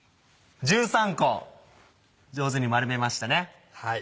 １３個上手に丸めましたね。